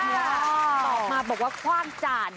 ตอบมาบอกว่าคว่างจาน